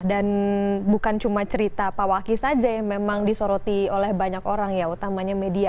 dan bukan cuma cerita pawaki saja yang memang disoroti oleh banyak orang ya utamanya media